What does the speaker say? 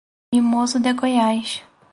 Mimoso de Goiás